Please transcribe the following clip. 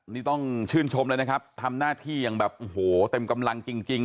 นี่ต้องชื่นชมเลยนะครับทำหน้าที่อย่างแบบโอ้โหเต็มกำลังจริง